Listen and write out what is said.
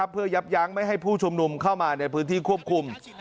เพื่อยับยั้งไม่ให้ผู้ชุมนุมเข้ามาในพื้นที่ควบคุม